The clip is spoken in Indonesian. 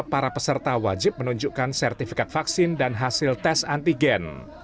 para peserta wajib menunjukkan sertifikat vaksin dan hasil tes antigen